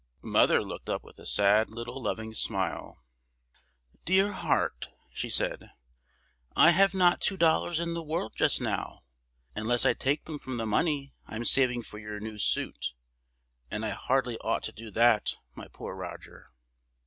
"Mother" looked up with a sad little loving smile. "Dear heart," she said, "I have not two dollars in the world just now, unless I take them from the money I am saving for your new suit, and I hardly ought to do that, my poor Roger!"